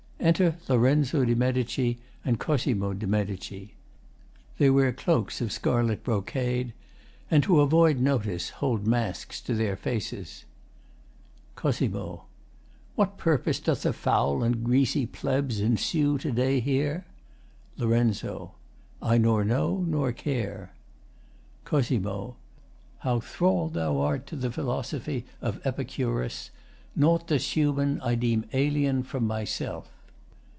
Enter LORENZO DE MEDICI and COSIMO DE MEDICI. They wear cloaks of scarlet brocade, and, to avoid notice, hold masks to their faces. COS. What purpose doth the foul and greasy plebs Ensue to day here? LOR. I nor know nor care. COS. How thrall'd thou art to the philosophy Of Epicurus! Naught that's human I Deem alien from myself.